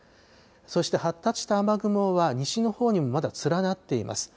そして発達した雨雲は、西のほうにもまだ連なっています。